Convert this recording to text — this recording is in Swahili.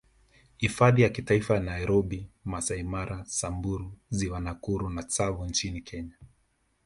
Hifadhi ya Kitaifa ya Nairobi Masai Mara Samburu Ziwa Nakuru na Tsavo nchini Kenya